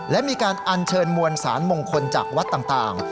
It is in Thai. และมีการอัญเชิญมวลสารมงคลจากวัดต่าง